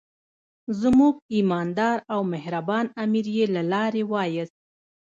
زموږ ایماندار او مهربان امیر یې له لارې وایست.